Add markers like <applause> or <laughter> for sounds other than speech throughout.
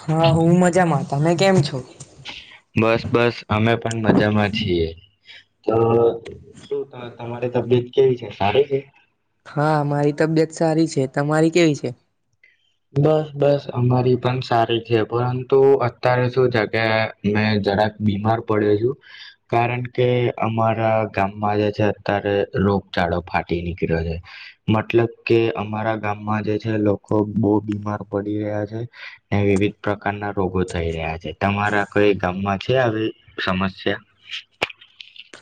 હા હું મજામાં તમે કેમ છો બસ બસ અમે પણ મજામાં છીએ. તો, શું ત- તમારી તબિયત કેવી છે સારી છે હા મારી તબિયત સારી છે. તમારી કેવી છે? ઓ, બસ બસ. અમારી પણ સારી છે. પરંતુ અત્યારે શું? છે કે મેં જરાક બીમાર પડ્યો છું, કારણ કે અમારા ગામમાં જે છે અત્યારે રોગચળો ફાટી નીકળ્યો છે, મતલબ કે! અમારા ગામમાં જે છે લોકો બહ બીમાર પડી રહ્યા છે. ને વિવિધ પ્રકારના રોગો થઈ રહ્યા છે. તમારા કઈ ગામમાં છે. આવી સમસ્યા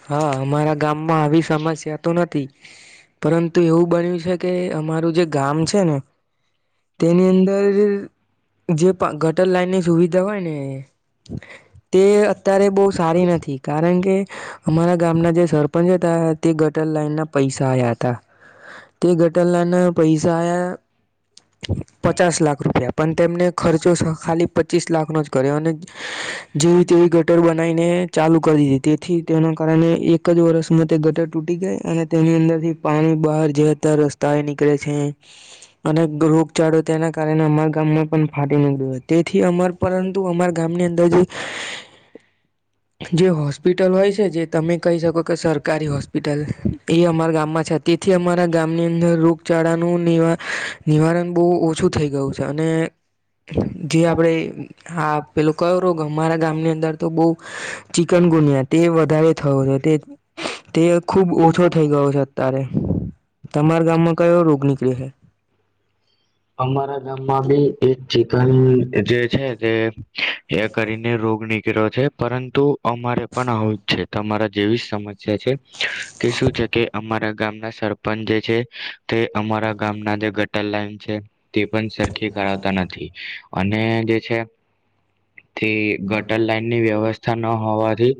હા અમારા ગામમાં આવી સમસ્યા તો નથી પરંતુ એવું બન્યું છે કે, અમારું જે ગામ છે ને તેની અંદર જે ગટર લાઈનની સુવિધા હોય ને તે અત્યારે બહ સારી નથી કારણ કે, અમારા ગામના જે સરપંચ હતા તે ગટર લાઈન ના પૈસા આયા હતા. તે ગટર નાના પૈસા આયા પચાસ લાખ રૂપિયા પણ તેમને ખર્ચો ખાલી પચીસ લાખનો જ કર્યો. અને જેવી તેવી ગટર બનાવીને ચાલુ કરી દીધી તેથી તેના કારણે એક જ વર્ષમાં તે ગટર તૂટી ગાય અને તેની અંદર થી પાણી બહાર જતા રસ્તા એ નીકળે છે અને રોગચાળો તેના કારણે અમારા ગામમાં પણ ફાટી નીકળ્યું તેથી અ પરંતુ અમારા ગામની અંદર જે જે હોસ્પિટલ હોય છે જે તમે કહી શકો કે સરકારી હોસ્પિટલ એ અમારા ગામમાં છે તેથી અમારા ગામની અંદર રોગ ચડાાનું નિવા નિવારણ બો ઓછું થઈ ગયું છે અને જે આપડે હા પેલો ક્યો રોગ કે અમારા ગામની અંદર તો બો ચિકનગુનિયા તે <unintelligible> તે ખુબ ઓછો થઈ ગયો છે અત્યારે તમારા ગામમાં કયો રોગ નીકળ્યો છે? અમારા ગામમાં ભી એક ચી <unintelligible> જે છે તે એ કરીને રોગ ની <unintelligible> છે પરંતુ અમારે પણ આવું જ છે તમારા જેવી સમજ છે છે કે શું છે કે અમારા ગામના સરપંચ જે છે તે અમારા ગામના જે <unintelligible> તે પણ સરખી કરાવતા નથી અને જે છે તે ગટર લાઈન ની વ્યવસ્થા ન હોવાથી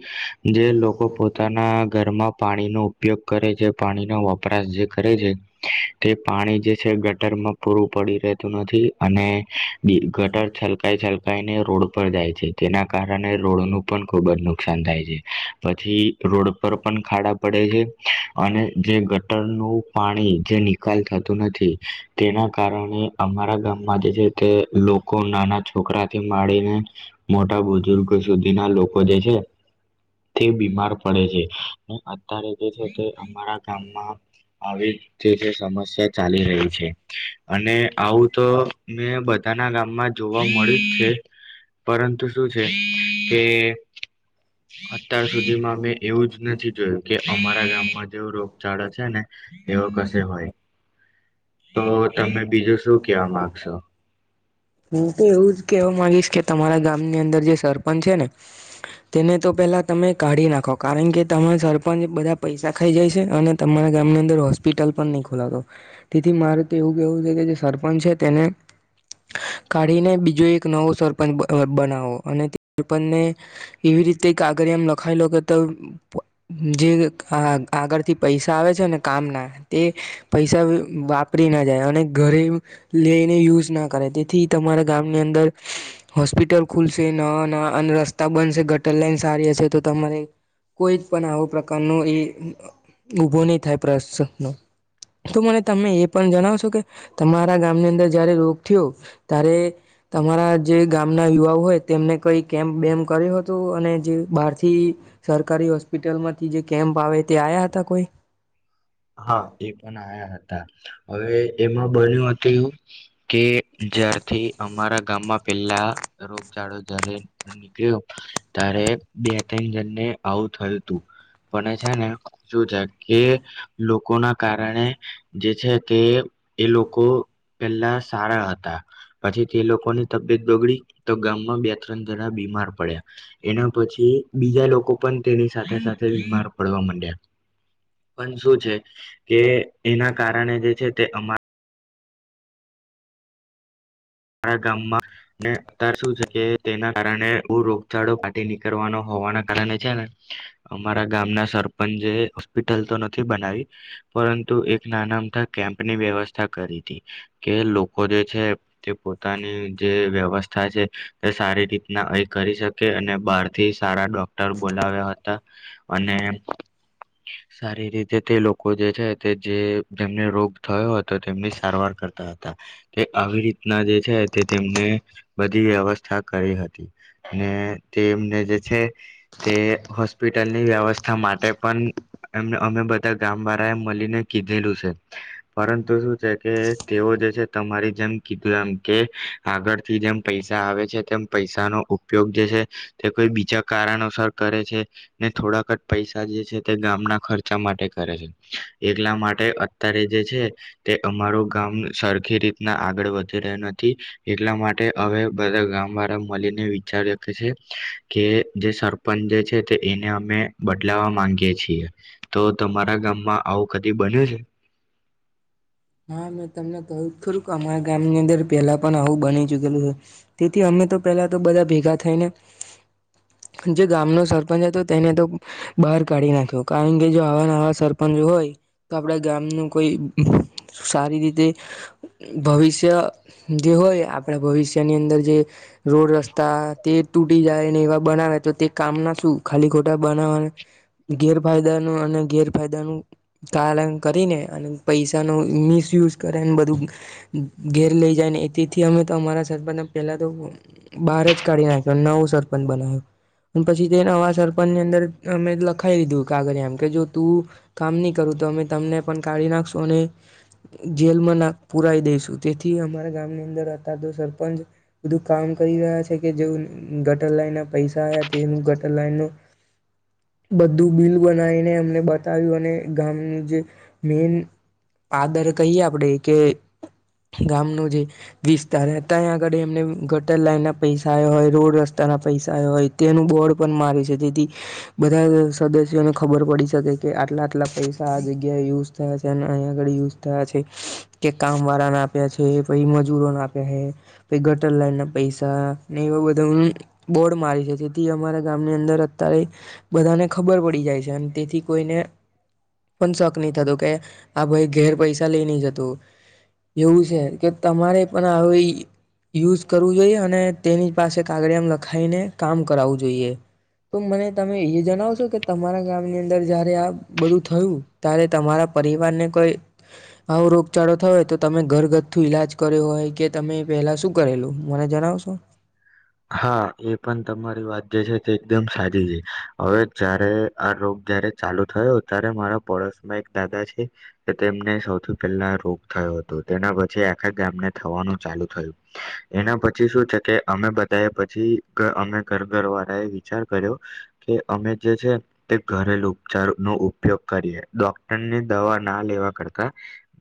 જે લોકો પોતાના ઘરમાં પાણીનો ઉપયોગ કરે છે પાણીનો વપરાશ જે કરે છે તે પાણી જે છે ગટરમાં પૂરું પડી રહેતું નથી અને ગટર છલકાઈ છલકાઈને રોડ પર જાય છે તેના કારણે રોડનું પણ ખૂબ જ નુકસાન થાય છે. પછી રોડ પર પણ ખાડા પડે છે. અને જે ગટર નું પાણી જે નિકાલ થતું નથી. તેના કારણે અમારા ગામમાં જે છે તે લોકો નાના છોકરાથી માડીને મોટા બુઝુર્ગ સુધી ના લો કો જે છે તે બીમાર પડે છે. ને અત્યારે જે છે તે અમારા ગામમાં આવી જે જે સમ સ્યા ચાલી રહી છે અને આવું તો મેં બ ધાના ગામમાં જોવા મળ્યું જ છે. પરંતુ શું છે કે અત્યાર સુધીમાં મેં એવું જ નથી જોયું કે અમારા ગામમાં જેવો રોગચાળો છે ને એઓ કશે હોય. તો તમે. બીજું શું કેવા માંગશો હું તો એવું જ કે. માગીશ કે તમારા ગામની અંદર જે સરપંચ છે ને તેને તો પેલા તમે કાઢી નાખો, કારણ કે તમારા સરપંચ બધા પૈસા ખાઈ જાય છે, અને તમારા ગામની અંદર હોસ્પિટલ પણ નહીં ખોલાતી, તેથી મારે તો એવું કેવું છે કે. સરપંચ છે તેને કાઢીને બીજો એક નવો સરપંચ બનાવો, અને સરપંચને. એવી રીતે કાગળ એમ લખાયલો કે તો. જે આગળ થી પૈસા આવે. ને કામ ના તે પૈસા વાપરી ના જાય અને. ગરીબ. લઈને યુઝ ના કરે, તેથી તમારા ગામની અંદર હોસ્પિટલ ખુલશે, નહીં, અને રસ્તા બનશે ગટર લાઈન સારી હશે તો તમારે કોઈ પણ આવો પ્રકારનો એ ઉભો નહી થાય પ્રેશર ન. તો મને તમે એ પણ જણાવશો કે. તમારા ગામની અંદર જયારે રોગ થયો ત્યારે. તમારા જે ગામના યુવાઓ હોય, તેમને કઈ કેમ્પ બેમ કર્યો હતું, અને જે બહારથી સરકારી હોસ્પિટલમાંથી જે કેમ્પ આવે તે આવ્યા હતા. કોઈ હા એ પણ આયા હતા હવે, એમાં બન્યું હતું. કે જ્યારથી અમારા. ગામમાં પેલા રોગચળો જયારે નીકળ્યો ત્યારે બે- ત્રણ જણને આવું થયું હ, તું પણ છે ને શું? કે લોકો. લોકો ના કારણે જે છે તે. એ લોકો પેલા સારા હતા. પછી તે લોકો. લોકોની તબિયત બગડી, તો ગામમાં બે ત્રણ જણા બીમાર પડ્યા, એના પછી બીજા લોકો પણ તેની સાથે- સાથે બીમાર પડવા માંડ્યા, પણ શું છે કે. એના કારણે જે છે તે એમા. આખા ગામમાં. ને અત્યારે શું છે કે તેના કારણે. બ રોગચળો ફાટી નીકળવાનો હોવાના કારણે છે ને, અમારા ગામના સરપંચે હોસ્પિટલ તો નથી બનાવી, પરંતુ એક નાના મઠા કેમ્પ ની વ્યવસ્થા કરી હતી કે લોકો જે છે. તે પોતાની જે વ્યવસ્થા છે તે સારી રીતના એ કરી શકે, અને બહાર થી સારા ડા ડોક્ટર બોલાવ્યા હતા. અને સારી રીતે તે લોકો જે છે, તે જે જેમને રોગ થયો હતો, તેમની સારવાર કરતા હતા, તે આવી રીતે. ના, જે છે તે તેમને બધી વ્યવસ્થા કરી હતી, તેમને જે છે તે. હોસ્પિટલની વ્યવસ્થા માટે. પણ એ અમે બધા ગામ વાળા એ મળીને કીધેલું છે. પરંતુ શું છે કે તેઓ જે છે. તમારી જેમ. કે આગળથી જેમ પૈસા આવે છે તેમ પૈસાનો ઉપયોગ જે છે તે કોઈ બીજા કારણોસર કરે છે, ને થોડાક જ પૈસા જે છે તે ગામના ખર્ચા માટે કરે છે, એટલા માટે અત્યારે જે છે તે અમારું ગામ સરખી રીતના. આગળ વધી રહ્યો નથી એટલા માટે હવે બધા ગામ વાળા મળને વિચારી છે કે, જે સરપંચ જે છે તે એને અમે બદલાવા માંગીએ છીએ તો તમારા ગામમાં આવું કદી બન્યું છે. હા મેં તમને ક ખરું કે અમારા ગામની અંદર પેલા પણ આવું બની ચુકેલું છે, તેથી અમે તો પેલા તો બધા ભેગા થઈને જે ગામનો સરપંચ હતો તેને તો બહાર કાઢી નાખ્યો કારણ કે જો આવા આવા સરપંચો હોય તો આપડા ગામનું કોઈ સારી રીતે ભવિષ્ય જે હોય આપણા ભવિષ્યની અંદર જે રોડ રસ્તા તે તૂટી જાય ને એવા બનાવે તો તે કામના શું ખાલી ખોટા બનાવા ગેરફાયદાનું અને ગેરફાયદાનું પાલન કરીને અને પૈસાનું મિસયુઝ કરેને બધું ઘેર લઈ જાય ને એ તેથી અમે અમારા સરપંચને પેલા તો બહાર જ કાઢી નાખ્યો નવો સરપંચ બનાવ્યો પછી તે નવા સરપંચની અંદર અમે લખાવી દીધું કાગળ આમ કે જો તું કામ નહી કરું તો અમે તમને પણ કાઢી નાખશું અને જેલમાં ના પુરાઈ દઈશ. તેથી, અમારા ગામની અંદર હતા તો સરપંચ બધું કામ કરી રહ્યા છે. કે જે ગટર લાઈન ના પૈસા તેનું ગટર લાઈનનું <unintelligible> બધું બિલ બનાવીને એમને બતાવ્યું. અને ગામનું જે મેન પાદર કહીએ આપડે કે ગામનો જે વિસ્તાર ત્યાં આગળ એમને ગટર લાઈન ના પૈસા આવ્યા હોય. રોડ રસ્તાના પૈસા આવ્યા હોય, તેનું બોર્ડ પણ મારે છે. જેથી બધા સદસ્યોને ખબર પડી શકે કે, આટલા આટલા પૈસા આ જગ્યાએ યુઝ થયા છે. અને અહીંયા આગળ યુઝ થયા છે કે, કામ વાળા ના આપ્યા છે. <inaudible> મજૂરો ના આપ્યા છે. ગટર લાઈન ના પૈસા ને એવા બધા બોર્ડ મારી છે. તેથી અમારા ગામની અંદર અત્યારે બધાને ખબર પડી જાય છે, અને તેથી કોઈને પણ શક નહી થતો કે આ ભાઈ ઘેર પૈસા લઈ નઈ જતું એવું છે કે, તમારે પણ આવી યુઝ કરવું જોઈએ. અને તેની પાસે કાગડીયા મા લખાઈને કામ કરાવવું જોઈએ. તો મને તમે એ જણાવશો કે તમારા? ગામની અંદર જા ર આપ બધું થયું. ત્યારે તમારા પરિવાર ને કોઈ આવો રોગચાળો થયો તો, તમે ઘરગથ્થુ ઈલાજ કર્યું હોય કે, તમે પેલા શું કરેલું મને જણાવશો? હા એ પણ તમારી વાત જે છે તે એકદમ સાચી છે. હવે જયારે આ રોગ જયારે ચાલુ થયો, ત્યારે મારા પડોશમાં એક દાદા છે કે, તેમને સૌથી પહેલા રોગ થયો હતો, તેના પછી આખા ગામને થવાનું ચાલુ થયું એના પછી, શું છે કે? અમે બ તે પછી ઘર અમે ઘર ઘરવાળા એ વિચાર કર્યો કે અમે જે છે તે, ઘરેલુ ઉપચાર નો ઉપયોગ કરીએ. ડોક્ટરની દવા ના લેવા કરતા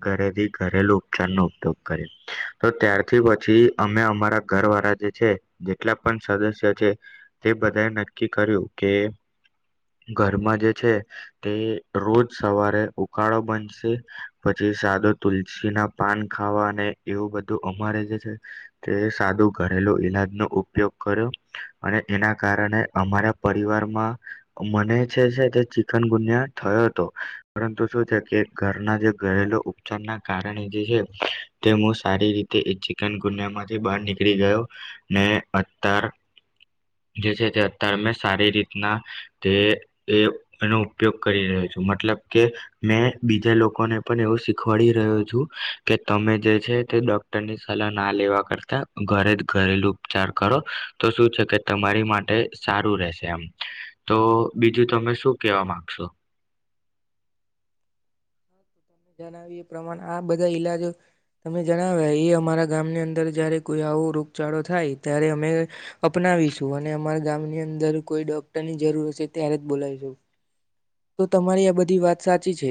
ઘરેથી ઘરેલુ ઉપચારનો ઉપયોગ કરીએ. તો ત્યારથી પછી અમે અમારા ઘર વાળા જે છે જેટલા પણ સદસ્ય છે, તે બધાએ નક્કી કર્યું કે ઘરમાં જે છે, તે રોજ સવારે ઉકાળો બનશે. પછી સાદો તુલસી ના પાન ખાવા, અને એવું બધું અમારે જે છે તે સાદું ઘરેલું ઈલાજ ન ઉપયોગ કર્યો. અને એના કારણે અમારા પરિવારમાં મને જે છે તે, ચિકન ગુન્યા થયો હતો. પરંતુ શું છે કે, ઘરના જે ગયલો ઉપચાર ના કારણે જે છે તે, હું સારી રીતે એ ચિકન ગુનિયા માંથી બહાર નીકળી ગયો. ને અતાર <unintelligible> જે છે તે અતાર મેં સારી રીતના તે એ એનો ઉપયોગ કરી રહ્યો છું. મતલબ કે મેં બીજા લોકોને પણ એવું શીખવાડી રહ્યો છું કે તમે જે છે તે ડોક્ટરની સલાહ ના લેવા કરતા ઘરે જ ઘરેલું ઉપચાર કરો તો શું છે કે, તમારી માટે સારું રહેશે. આમ તો બીજું તમે શું કેવા માંગશો? તમે જણાવીએ પ્રમાણે આ બધા ઈલાજો તમે જણાવ્યા એ અમારા ગામની અંદર જયારે કોઈ આવો રોગચાળો થાય, ત્યારે અમે અપનાવીશું. અને અમારા ગામની અંદર કોઈ ડોક્ટરની જરૂર છે ત્યારે જ બોલાવીશુ. તો તમારી આ બધી વાત સાચી છે.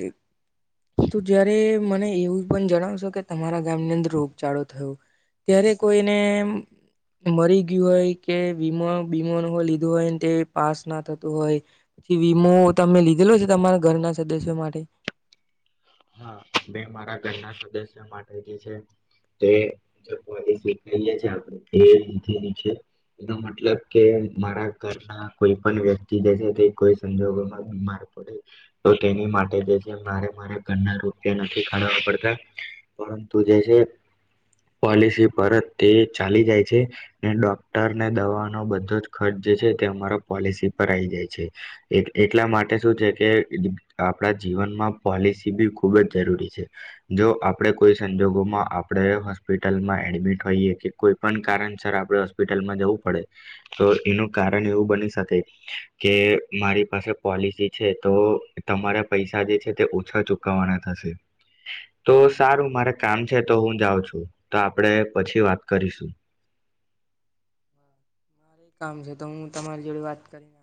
તો જયારે મને એવું પણ જણાવશો? કે તમારા ગામની અંદર રોગચાળો થયો, ત્યારે કોઈને મરી ગયું હોય કે, વીમો, વીમો લીધો હોય તે પાસ ના થતો હોય, વીમો તમે લીધેલો છે, તમારા ઘરના સદસ્યો માટે? હા મે મારા ઘરના સદસ્ય માટે જે છે તે પોલીસી કએ એ એ મતલબ કે મારા ઘરના કોઈ પણ વ્યક્તિ જે છે, તે કોઈ સંજોગોમાં બીમાર પડે તો, તેની માટે છે ને મારે મારે ઘર ના રૂપિયા નથી કાઢવા પડતા. પરંતુ જે છે પોલિસી પરત તે ચાલી જાય છે, ને ડોક્ટર ને દવાનો બધો જ ખર્ચ જે છે તે અમારા પોલિસી પર આવી જાય છે. એટલા માટે શું છે કે આપણા જીવનમાં પોલિસી બી ખૂબ જ જરૂરી છે. જો આપણે કોઈ સંજોગોમાં આપણે હોસ્પિટલમાં એડમિટ હોઈએ, કે કોઈ પણ કારણસ આપણે હોસ્પિટલમાં જવું પડે, તો એનું કારણ એવું બની શકે કે, મારી પાસે પોલિસી છે તો તમારા પૈસા જે છે તે ઓછા ચૂક કવાના થશે. તો સારું મારે કામ છે. તો હું જાઉં છું. તો આપડે પછી વાત કરીશું. <unintelligible> મારે કામ છે. તો હું તમારી જોડે વાત કરીને